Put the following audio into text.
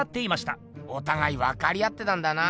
おたがいわかりあってたんだな。